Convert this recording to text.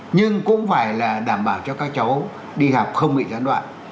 nhưng cũng phải là đảm bảo cho các cháu đi học không bị gián đoạn